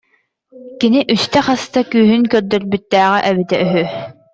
Кини үстэ хаста күүһүн көрдөрбүттээҕэ эбитэ үһү